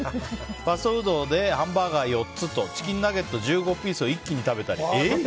ファストフードでハンバーガー４つとチキンナゲット１５ピースを一気に食べたり。